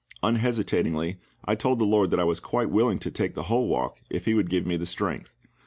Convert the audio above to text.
Unhesitatingly I told the LORD that I was quite willing to take the walk if He would give me the strength.